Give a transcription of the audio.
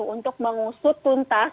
untuk mengusut tuntas